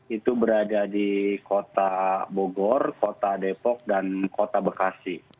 itu berada di kota bogor kota depok dan kota bekasi